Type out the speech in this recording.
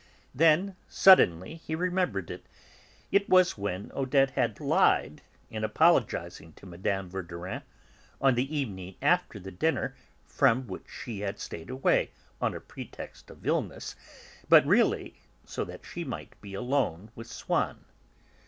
Then, suddenly, he remembered it; it was when Odette had lied, in apologising to Mme. Verdurin on the evening after the dinner from which she had stayed away on a pretext of illness, but really so that she might be alone with Swann.